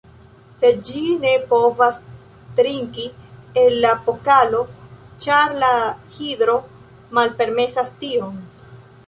Sed ĝi ne povas trinki el la Pokalo, ĉar la Hidro malpermesas tion.